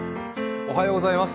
おはようございます。